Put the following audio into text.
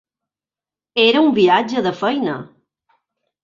Era un viatge de feina.